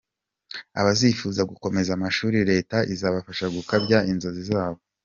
Abazifuza gukomeza amashuri leta izabafasha gukabya inzozi zabo.